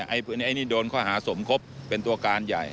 อันนี้โดนข้อหาสมคบเป็นตัวการใหญ่